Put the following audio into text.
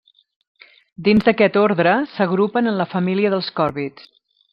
Dins d'aquest ordre, s'agrupen en la família dels còrvids.